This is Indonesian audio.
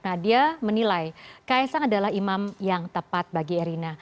nadia menilai ks ang adalah imam yang tepat bagi erina